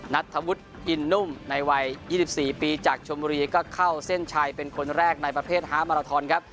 นัทธวุฒิอินนุ่มในวัย๒๔ปีจากชมบุรีก็เข้าเส้นชัยเป็นคนแรกในประเภทฮาร์มาราทอนครับ